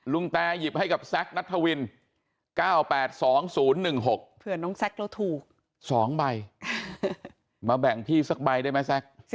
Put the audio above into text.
แตหยิบให้กับแซคนัทวิน๙๘๒๐๑๖เผื่อน้องแซคเราถูก๒ใบมาแบ่งพี่สักใบได้ไหมแซ็ก